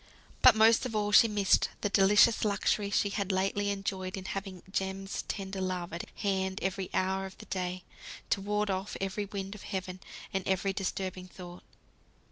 But most of all she missed the delicious luxury she had lately enjoyed in having Jem's tender love at hand every hour of the day, to ward off every wind of heaven, and every disturbing thought.